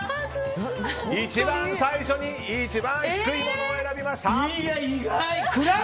一番最初に一番低いものを選びました！